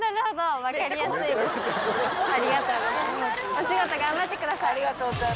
お仕事頑張ってください。